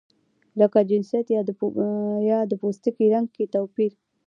لکه جنسیت یا د پوستکي رنګ کې توپیر.